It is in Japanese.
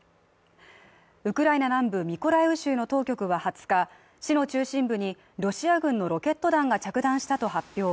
ウクライナ南部ミコライウ州の当局は２０日、市の中心部にロシア軍のロケット弾が着弾したと発表。